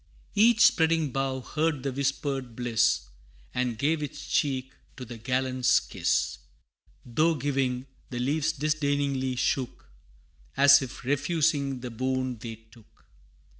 Each spreading bough heard the whispered bliss, And gave its cheek to the gallant's kiss Though giving, the leaves disdainingly shook, As if refusing the boon they took.